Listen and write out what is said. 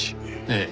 ええ。